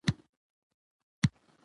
بانکونه د زراعت د ودې لپاره پورونه ورکوي.